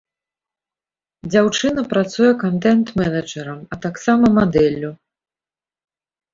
Дзяўчына працуе кантэнт-менеджарам, а таксама мадэллю.